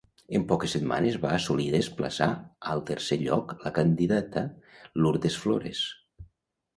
En poques setmanes va assolir desplaçar al tercer lloc la candidata Lourdes Flores.